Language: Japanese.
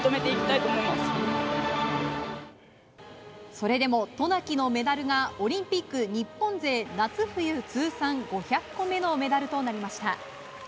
それでも渡名喜のメダルがオリンピック日本勢夏冬通算５００個目のメダルとなりました。